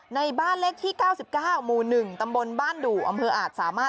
ในบ้านเลขที่๙๙หมู่๑ตำบลบ้านดู่อำเภออาจสามารถ